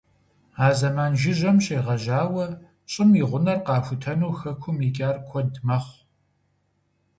А зэман жыжьэм щегъэжьауэ щӀым и гъунэр къахутэну хэкум икӀахэр куэд мэхъу.